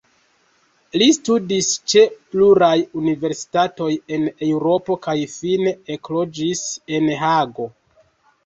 Li studis ĉe pluraj universitatoj en Eŭropo kaj fine ekloĝis en Hago.